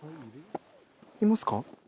いますか？